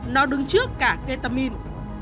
nó đứng trước cả ketamin